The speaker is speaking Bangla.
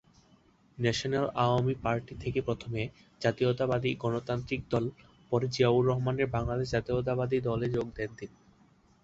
ন্যাশনাল আওয়ামী পার্টি থেকে প্রথমে জাতীয়তাবাদী গণতান্ত্রিক দল পরে জিয়াউর রহমানের বাংলাদেশ জাতীয়তাবাদী দলে যোগ দেন তিনি।